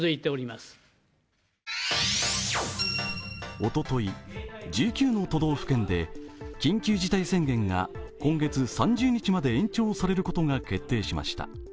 おととい、１９の都道府県で緊急事態宣言が今月３０日まで延長されることが決定しました。